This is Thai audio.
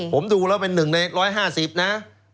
ผมดูแล้วเป็นหนึ่งใน๑๕๐ล้านนะ